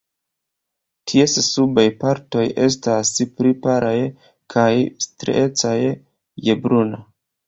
Ties subaj partoj estas pli palaj kaj striecaj je bruna.